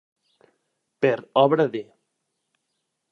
Per obra de.